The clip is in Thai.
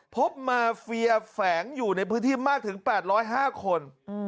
พบมาเฟียแฝงอยู่ในพื้นที่มากถึง๘๐๕คน